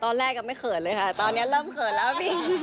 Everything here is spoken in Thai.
ตอนแรกก็ไม่เคยร์เลยคะตอนนี้เริ่มเคยร์แล้วครับพี่